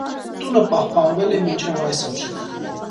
Տունը պահպանվել է մինչև այսօր։